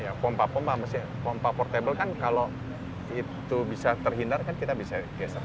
ya pompa pompa pompa portable kan kalau itu bisa terhindar kan kita bisa geser